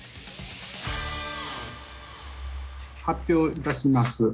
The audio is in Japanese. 発表いたします。